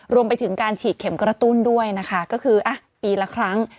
รวมไปถึงการฉีดเข็มกระตุ้นด้วยนะคะก็คือปีละครั้ง